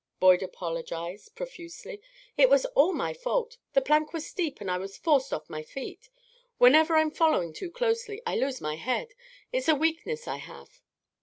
Boyd apologized, profusely. "It was all my fault. The plank was steep, and I was forced off my feet. Whenever I'm followed too closely, I lose my head it's a weakness I have."